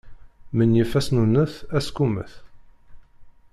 Menyif asnunnet asqummet.